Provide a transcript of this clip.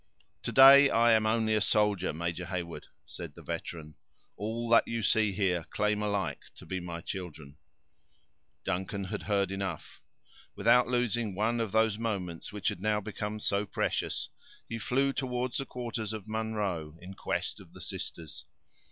"To day I am only a soldier, Major Heyward," said the veteran. "All that you see here, claim alike to be my children." Duncan had heard enough. Without losing one of those moments which had now become so precious, he flew toward the quarters of Munro, in quest of the sisters.